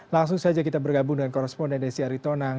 langsung saja kita bergabung dengan koresponden desi aritonang